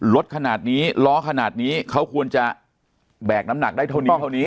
รถขนาดนี้ล้อขนาดนี้เขาควรจะแบกน้ำหนักได้เท่านี้เท่านี้